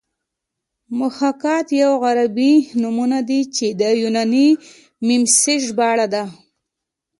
محاکات یوه عربي نومونه ده چې د یوناني میمیسیس ژباړه ده